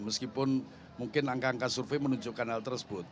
meskipun mungkin angka angka survei menunjukkan hal tersebut